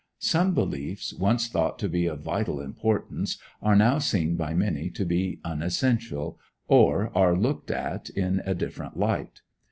Some beliefs, once thought to be of vital importance, are now seen by many to be unessential, or are looked at in a different light.